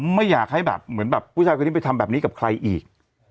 ไม่อยากให้แบบเหมือนแบบผู้ชายคนนี้ไปทำแบบนี้กับใครอีก